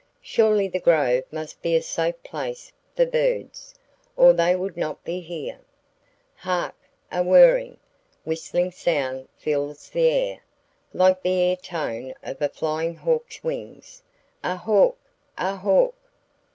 Surely the grove must be a safe place for birds, or they would not be here. Hark! A whirring, whistling sound fills the air, like the air tone of a flying hawk's wings. A hawk! A hawk!